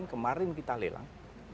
kemarin kita lelang